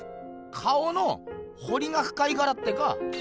顔のほりがふかいからってか？